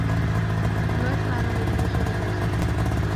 No es raro el uso de voces.